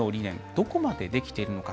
どこまでできているのか